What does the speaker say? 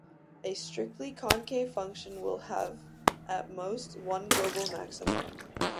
A "strictly" concave function will have at most one global maximum.